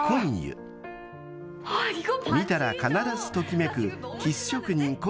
［見たら必ずときめく］